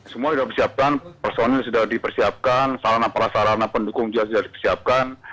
semua sudah disiapkan personil sudah dipersiapkan sarana perasarana pendukung juga sudah disiapkan